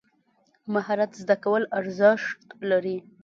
مهارت زده کول ارزښت لري.